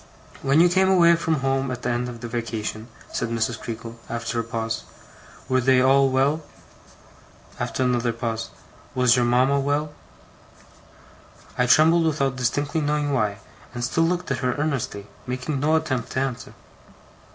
'When you came away from home at the end of the vacation,' said Mrs. Creakle, after a pause, 'were they all well?' After another pause, 'Was your mama well?' I trembled without distinctly knowing why, and still looked at her earnestly, making no attempt to answer.